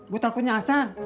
gue takutnya asal